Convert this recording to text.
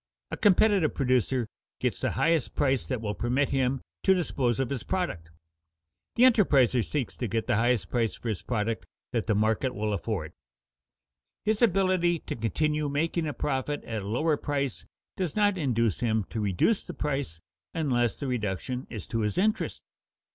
A competitive producer gets the highest price that will permit him to dispose of his product. The enterpriser seeks to get the highest price for his product that the market will afford. His ability to continue making a profit at a lower price does not induce him to reduce the price unless the reduction is to his interest.